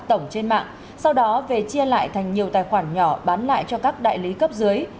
tổng trên mạng sau đó về chia lại thành nhiều tài khoản nhỏ bán lại cho các đại lý cấp dưới